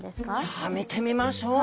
じゃあ見てみましょう。